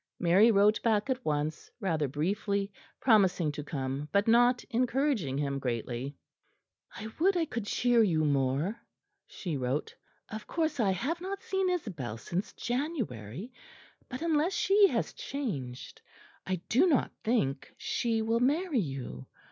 Mary wrote back at once, rather briefly, promising to come; but not encouraging him greatly. "I would I could cheer you more," she wrote; "of course I have not seen Isabel since January; but, unless she has changed, I do not think she will marry you.